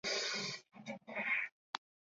大将柏良器之子。